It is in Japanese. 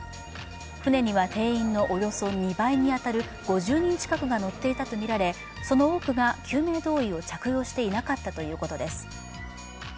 船には定員のおよそ２倍に当たる５０人近くが乗っていたとみられその多くが救命胴衣を着用していなかったということです。